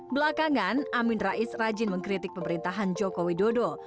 belakangan amin rais rajin mengkritik pemerintahan jokowi dodo